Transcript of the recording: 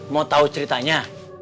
mau tahu ceritanya